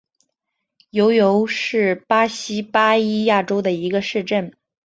尤尤是巴西巴伊亚州的一个市镇。